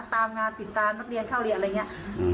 ตามงานติดตามนักเรียนเข้าเรียนอะไรอย่างนี้